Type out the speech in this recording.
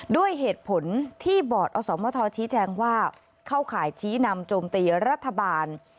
ด้วยเหตุผลที่บอร์ดอสมทชี้แจงว่าเข้าข่ายชี้นำโจมตีรัฐบาล